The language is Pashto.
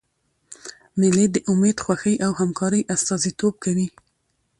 مېلې د امېد، خوښۍ او همکارۍ استازیتوب کوي.